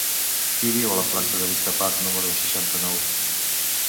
Qui viu a la plaça de Vista Park número seixanta-nou?